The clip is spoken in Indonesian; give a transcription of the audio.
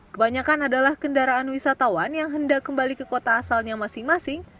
kebanyakan adalah kendaraan wisatawan yang hendak kembali ke kota asalnya masing masing